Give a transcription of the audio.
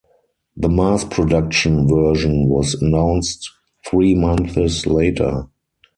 The mass production version was announced three months later.